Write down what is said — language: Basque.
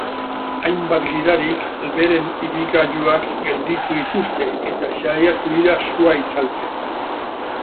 Hainbat gidarik beren ibilgailuak gelditu dituzte eta saiatu dira sua itzaltzen.